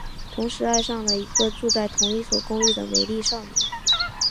同时爱上了一个住在同一所公寓的美丽少女。